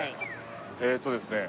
えーっとですね